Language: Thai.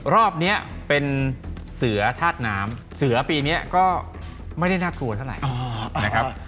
รอบนี้เป็นเสือธาตุน้ำเสือปีนี้ก็ไม่ได้น่ากลัวเท่าไหร่นะครับ